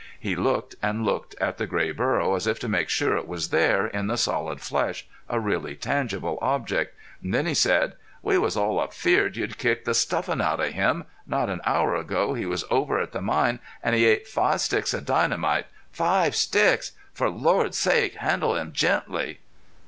He looked and looked at the gray burro as if to make sure it was there, in the solid flesh, a really tangible object. Then he said: "We was all afeared you'd kick the stuffin's out of him!... Not an hour ago he was over at the mine, an' he ate five sticks of dynamite! Five sticks! For Lord's sake handle him gently!"